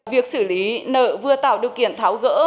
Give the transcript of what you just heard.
việc xử lý nợ vừa tạo điều kiện tháo gỡ